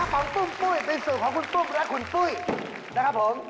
ของตุ้มปุ้ยเป็นสูตรของคุณปุ้มและคุณปุ้ยนะครับผม